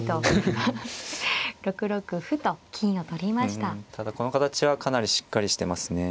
うんただこの形はかなりしっかりしてますね。